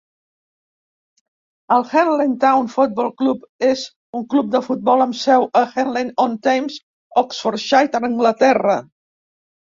El Henley Town Football Club és un club de futbol amb seu a Henley-on-Thames, Oxfordshire, Anglaterra.